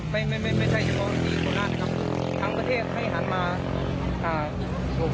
ไม่ไม่ไม่ไม่ใช่เพราะดีของนั่นนะครับทั้งประเทศให้หันมาอ่า